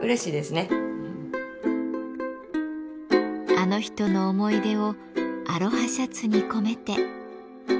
あの人の思い出をアロハシャツに込めて。